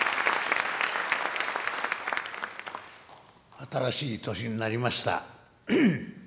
新しい年になりました。